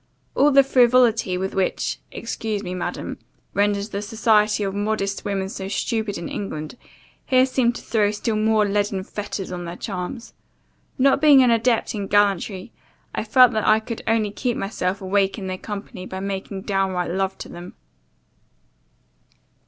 All the frivolity which often (excuse me, Madam) renders the society of modest women so stupid in England, here seemed to throw still more leaden fetters on their charms. Not being an adept in gallantry, I found that I could only keep myself awake in their company by making downright love to them.